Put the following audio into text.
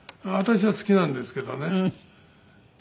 私は好きなんですけどね。